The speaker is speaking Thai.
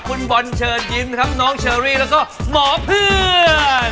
คุณบอลเชิญยิ้มครับน้องเชอรี่แล้วก็หมอเพื่อน